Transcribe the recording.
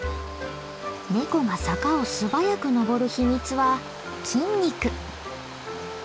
ネコが坂を素早く登る秘密は筋肉。